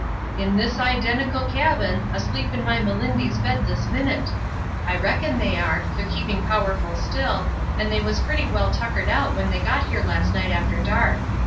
''In this identical cabin, asleep on my Me lindy's bed this minute. I reckon they are; they're keeping powerful still, and they was pretty well tuckered out when they got here last night after dark.